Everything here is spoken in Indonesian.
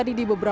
di jawa tengah